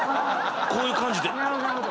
こういう感じで。